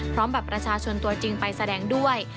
บัตรประชาชนตัวจริงไปแสดงด้วย